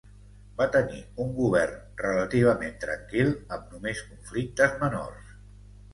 Va tenir un govern relativament tranquil amb només conflictes menors.